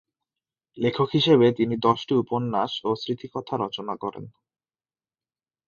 লেখক হিসেবে তিনি দশটি উপন্যাস ও স্মৃতিকথা রচনা করেন।